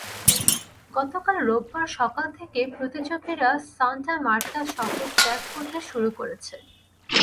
গতকাল রোববার সকাল থেকে প্রতিযোগীরা সান্টা মার্তা শহর ত্যাগ করতে শুরু করেছে।